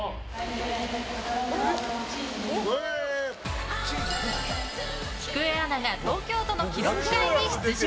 きくえアナが東京都の記録会に出場。